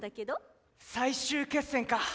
最終決戦か。